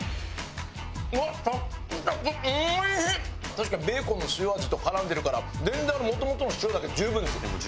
確かにベーコンの塩味と絡んでるから全然もともとの塩だけで十分です。